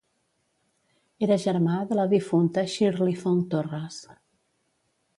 Era germà de la difunta Shirley Fong-Torres.